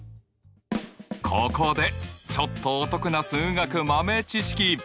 ここでちょっとお得な数学豆知識！